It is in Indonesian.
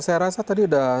saya rasa tadi sudah